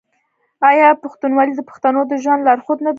آیا پښتونولي د پښتنو د ژوند لارښود نه دی؟